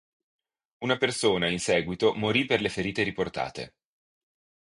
Una persona in seguito morì per le ferite riportate.